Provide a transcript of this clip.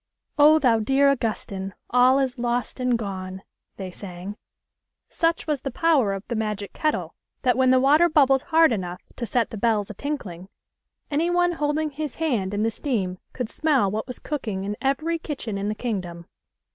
" Oh, thou dear Augustine, All is lost and gone," they sang. Such was the power of the magic kettle, that when the water bubbled hard enough to set the ii 12 THE LITTLE COLONEL'S HOLIDAYS. bells a tinkling, any one holding his hand in the steam could smell what was cooking in every kitchen in the kingdom.